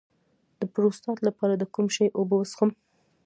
د پروستات لپاره د کوم شي اوبه وڅښم؟